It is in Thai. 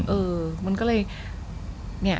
เออมันก็เลยเนี่ย